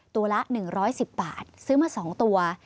ตัวละ๑๑๐บาทซื้อมา๒ตัว